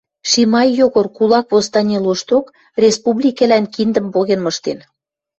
Шимай Йогор кулак восстани лошток республикӹлӓн киндӹм поген мыштен